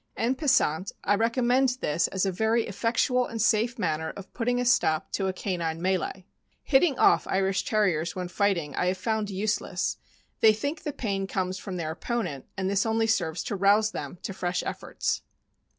En passant, I recom mend this as a very effectual and safe manner of putting a stop to a canine melee. " Hitting off" Irish Terriers when fighting I have found useless; they think the pain comes from their opponent, and this only serves to rouse them to fresh efforts.